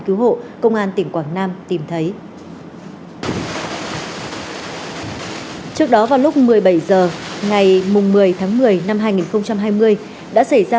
cứu hộ công an tỉnh quảng nam tìm thấy trước đó vào lúc một mươi bảy h ngày một mươi tháng một mươi năm hai nghìn hai mươi đã xảy ra